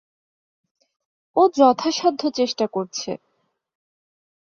ও যথাসাধ্য চেষ্টা করছে।